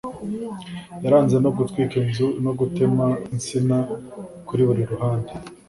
yaranze no gutwika inzu no gutema insina kuri buri ruhande